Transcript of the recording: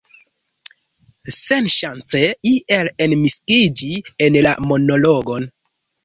Senŝance iel enmiksiĝi en la monologon.